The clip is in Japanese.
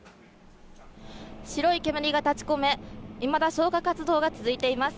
白い煙が立ちこめ、いまだ消火活動が続いています。